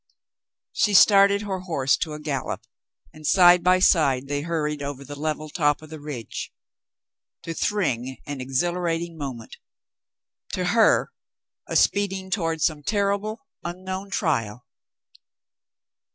She started her horse to a gallop, and side by side they hurried over the level top of the ridge — to Thryng an exhilarating moment, to her a speeding toward some terrible, unknown trial.